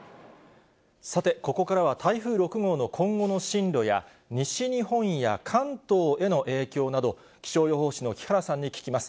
さて、ここからは台風６号の今後の進路や、西日本や関東への影響など、気象予報士の木原さんに聞きます。